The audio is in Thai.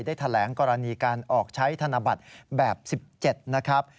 ได้แถลงกรณีการออกใช้ธนบัตรแบบ๑๗นะครับ